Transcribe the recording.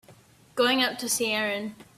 Going up to see Erin.